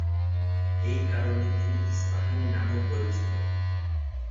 এই কারণে তিনি ইস্পাহানি নামেও পরিচিত।